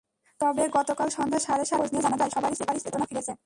তবে গতকাল সন্ধ্যা সাড়ে সাতটায় খোঁজ নিয়ে জানা যায়, সবারই চেতনা ফিরেছে।